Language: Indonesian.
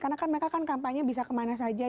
karena kan mereka kan kampanye bisa kemana saja